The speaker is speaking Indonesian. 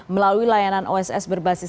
melalui layanan oss berbasis